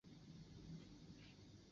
设有电梯与电扶梯。